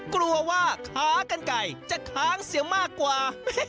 กลัวว่าขากันไก่จะค้างเสียมากกว่า